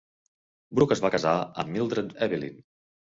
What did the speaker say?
Brook es va casar amb Mildred Evelyn.